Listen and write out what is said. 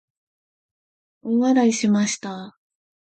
大笑いしました。